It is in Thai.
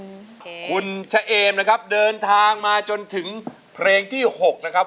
คุณชะเอมนะครับเดินทางมาจนถึงเพลงที่หกนะครับ